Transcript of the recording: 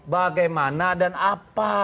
bagaimana dan apa